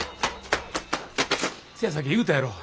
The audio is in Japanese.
せやさけ言うたやろ。